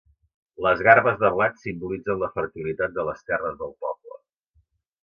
Les garbes de blat simbolitzen la fertilitat de les terres del poble.